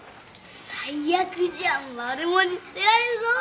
最悪じゃんマルモに捨てられるぞ。